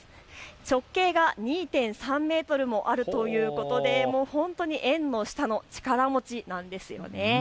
直径が２．３メートルもあるということで本当に縁の下の力持ちなんです。